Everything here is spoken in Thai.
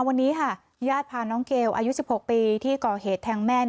วันนี้ค่ะญาติพาน้องเกลอายุ๑๖ปีที่ก่อเหตุแทงแม่